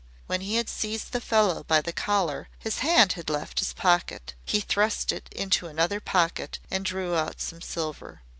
When he had seized the fellow by the collar, his hand had left his pocket. He thrust it into another pocket and drew out some silver.